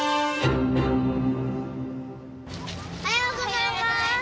おはようございまーす！